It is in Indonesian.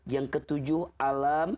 yang ketujuh alam